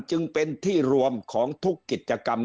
จึงเป็นที่รวมของทุกกิจกรรม